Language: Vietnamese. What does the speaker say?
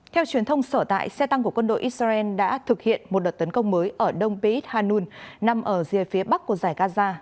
theo truyền thông sở tại xe tăng của quân đội israel đã thực hiện một đợt tấn công mới ở đông p hanun nằm ở rìa phía bắc của giải gaza